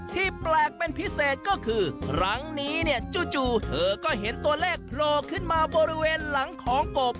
ที่แปลกเป็นพิเศษก็คือครั้งนี้เนี่ยจู่เธอก็เห็นตัวเลขโผล่ขึ้นมาบริเวณหลังของกบ